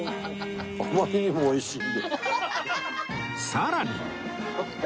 さらに